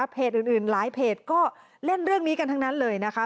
เพจอื่นหลายเพจก็เล่นเรื่องนี้กันทั้งนั้นเลยนะคะ